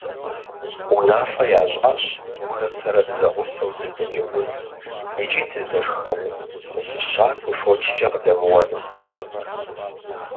Унафэ ящӀащ уэрэ сэрэ дызэгъусэу дыздэджэгуну, икӀи дыздэшхэну, зы щакӀуи фочкӀэ къыдэмыуэну.